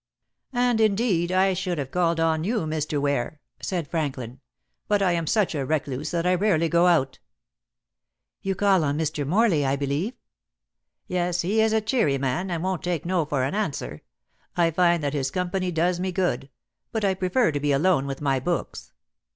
"And, indeed, I should have called on you, Mr. Ware," said Franklin, "but I am such a recluse that I rarely go out." "You call on Mr. Morley, I believe?" "Yes; he is a cheery man, and won't take no for an answer. I find that his company does me good, but I prefer to be alone with my books."